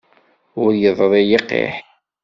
Ur yeḍṛi yiqiḥ.